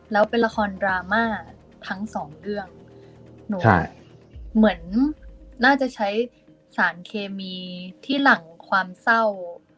แล้วเป็นละครดราม่าทั้งสองเรื่องหนูเหมือนน่าจะใช้สารเคมีที่หลังความเศร้า